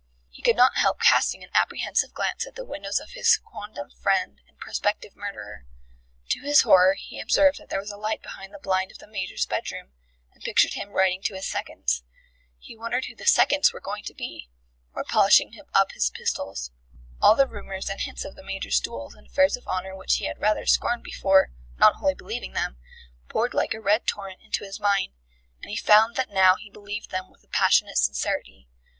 He could not help casting an apprehensive glance at the windows of his quondam friend and prospective murderer. To his horror he observed that there was a light behind the blind of the Major's bedroom, and pictured him writing to his seconds he wondered who the "seconds" were going to be or polishing up his pistols. All the rumours and hints of the Major's duels and affairs of honour, which he had rather scorned before, not wholly believing them, poured like a red torrent into his mind, and he found that now he believed them with a passionate sincerity.